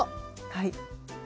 はい。